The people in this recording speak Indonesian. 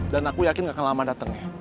dan aku yakin gak akan lama datengnya